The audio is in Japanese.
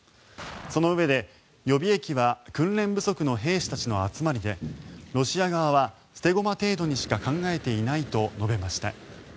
そのうえで、予備役は訓練不足の兵士たちの集まりでロシア側は捨て駒程度にしか考えていないと述べました。